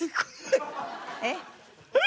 えっ？